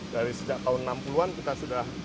dari sejak tahun enam puluh an kita sudah